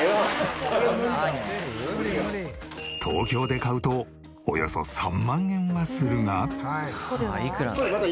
東京で買うとおよそ３万円はするが。